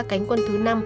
cánh quân thứ năm